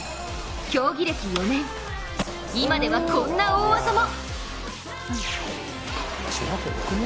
競技歴４年、今ではこんな大技も。